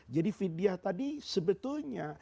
jadi fidyah tadi sebetulnya